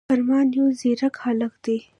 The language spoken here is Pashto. فرمان يو ځيرک هلک دی